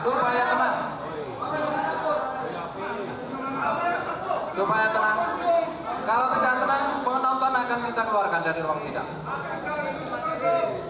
lumayan tenang kalau tidak tenang penonton akan kita keluarkan dari ruang sidang